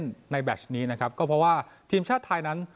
กับการได้เล่นในแบตนี้นะครับก็เพราะว่าทีมชาติไทยนั้น